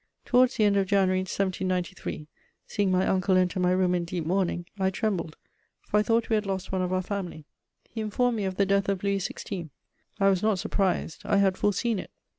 Towards the end of January 1793, seeing my uncle enter my room in deep mourning, I trembled, for I thought we had lost one of our family: he informed me of the death of Louis XVI. I was not surprised: I had foreseen it.